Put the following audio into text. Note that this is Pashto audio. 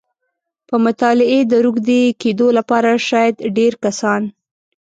په مطالعې د روږدي کېدو لپاره شاید ډېری کسان